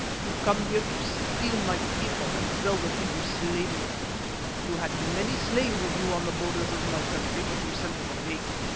You come here to steal my people and sell them into slavery. You had many slaves with you on the borders of my country, but you sent them away.